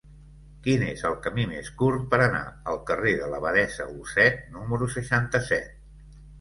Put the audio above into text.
Quin és el camí més curt per anar al carrer de l'Abadessa Olzet número seixanta-set?